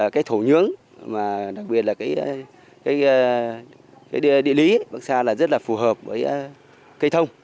cái thổ nhưỡng mà đặc biệt là cái địa lý bắc sa là rất là phù hợp với cây thông